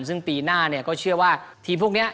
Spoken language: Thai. ซึ่งปีหน้าเนี่ยก็เชื่อว่าทีมพวกนี้